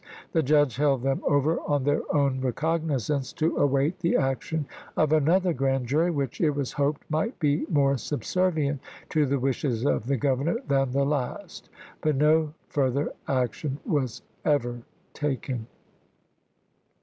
The judge held them over on their own recognizance to await the action of another grand jury, which, it was hoped, might be more subservient to the wishes of the Governor than the last ; but no further action was ever taken.